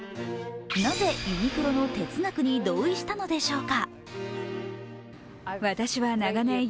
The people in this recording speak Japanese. なぜユニクロの哲学に同意したのでしょうか？